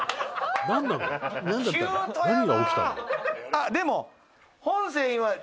「あっでも」